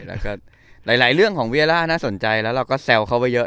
แล้วก็หลายเรื่องของเวียล่าน่าสนใจแล้วเราก็แซวเขาไปเยอะ